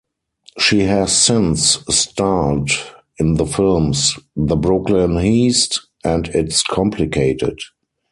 She has since starred in the films "The Brooklyn Heist" and "It's Complicated".